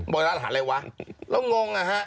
บอกร้านอาหารอะไรวะแล้วงง